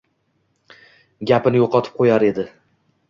Ganini yo‘qotib qo‘yar edi.